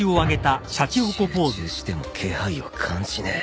集中しても気配を感じねえ